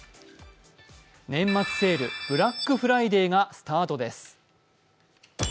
年末セール、ブラックフライデーがスタートです。